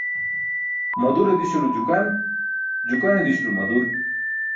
Madure di̇śulo jukan, jukane di̇śulo madur.